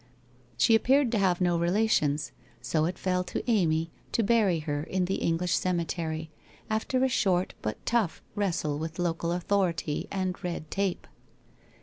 She appeared to have no relations, so it fell to Amy to bury her in the English cemetery, after a short but tough wrestle with local authority and red tape.